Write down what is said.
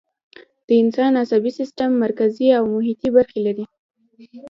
د انسان عصبي سیستم مرکزي او محیطی برخې لري